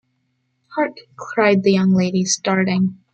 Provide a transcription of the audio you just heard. “Hark!” cried the young lady, starting.